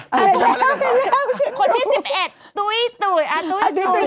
เรื่องนี่ใช่ไหมครับคนนี่๑๑ปุรุษปุรุษนะ